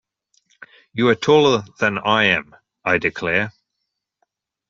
You’re taller than I am, I declare.